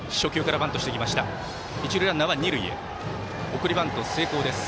送りバント成功です。